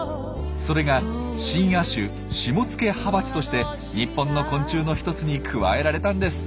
それが新亜種シモツケハバチとして日本の昆虫の一つに加えられたんです。